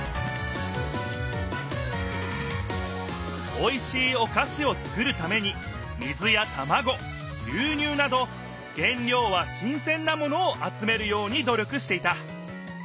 おいしいおかしをつくるために水やたまご牛乳など原料は新せんなものを集めるように努力していた。